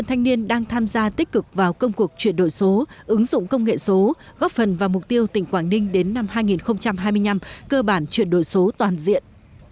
thành đoàn cũng tham gia tổ công nghệ số cộng đồng hướng dẫn người dân kích hoạt mã định danh điện tử vneid và cài đặt sử dụng các nền tảng số như bảo hiểm xã hội thanh toán online mô hình thực tế ảo vr ba trăm sáu mươi